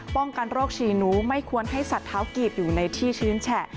ป้องกันโรคฉี่หนูไม่ควรให้สัตว์เท้ากีบอยู่ในที่ชื้นแฉะ